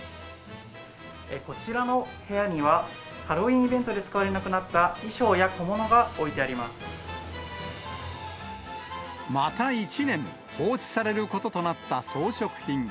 こちらの部屋には、ハロウィーンイベントで使われなくなった衣装や小物が置いてありまた１年、放置されることとなった装飾品。